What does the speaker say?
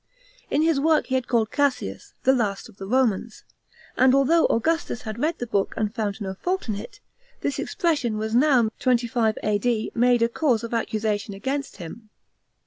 In his work he had ca Jed Gassius " the last of the Romans," and although Augustus had read the boot and found no fault in it, this expression was now (2$ A.^O made a cause of accusation against him.